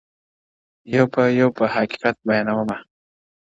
• يو په يو به حقيقت بيانومه,